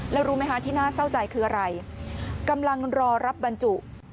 แล้วรู้ไหมคะที่น่าเศร้าใจคืออะไรกำลังรอรับบรรจุ